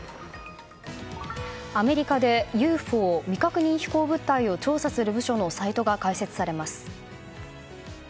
アメリカでＵＦＯ・未確認飛物体を調査する部署のサイトが開設されます。